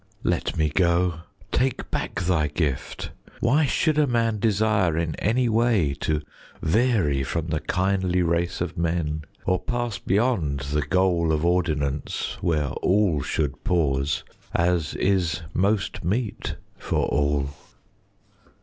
Let me go: take back thy gift: Why should a man desire in any way To vary from the kindly race of men, Or pass beyond the goal of ordinance Where all should pause, as is most meet for all?